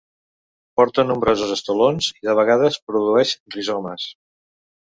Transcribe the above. Porta nombrosos estolons i de vegades produeix rizomes.